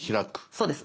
そうです。